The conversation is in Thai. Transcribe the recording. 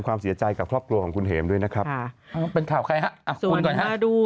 งานญาหนูมันก็ไปช่วย